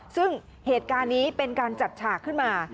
ซึ่งเหตุการณ์นี้เป็นการจัดฉากขึ้นมา